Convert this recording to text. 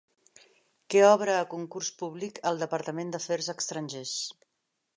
Què obre a concurs públic el Departament d'Afers estrangers?